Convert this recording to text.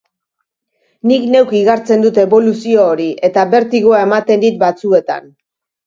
Nik neuk igartzen dut eboluzio hori, eta bertigoa ematen dit batzuetan.